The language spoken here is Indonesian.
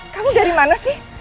kamu dari mana sih